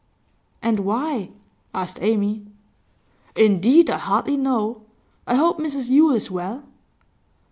'And why?' asked Amy. 'Indeed, I hardly know. I hope Mrs Yule is well?